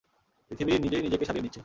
পৃথিবী নিজেই নিজেকে সারিয়ে নিচ্ছে!